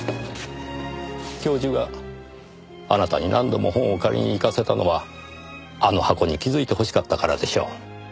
教授があなたに何度も本を借りに行かせたのはあの箱に気づいてほしかったからでしょう。